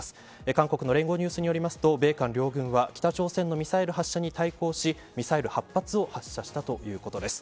韓国の聯合ニュースによりますと米韓両軍は北朝鮮のミサイル発射に対抗しミサイル８発を発射したということです。